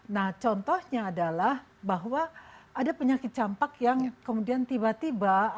nah contohnya adalah bahwa ada penyakit campak yang kemudian tiba tiba